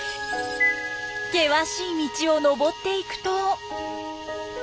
険しい道を登っていくと。